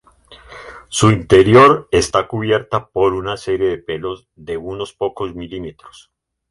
Su interior está cubierto por una serie de pelos de unos pocos milímetros.